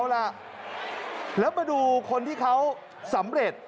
แล้วมาดูคนที่เขาสำเร็จ